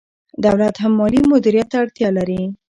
دولت هم مالي مدیریت ته اړتیا لري.